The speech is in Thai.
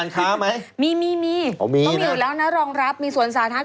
ก็มีอยู่แล้วนะรองรับมีส่วนสาธารณะ